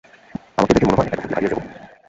আমাকে দেখে মনে হয় একা থাকলে হারিয়ে যাবো?